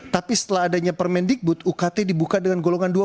tapi setelah adanya permen dikbut ukt dibuka dengan golongan dua belas